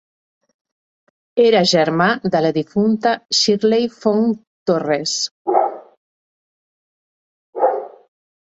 Era germà de la difunta Shirley Fong-Torres.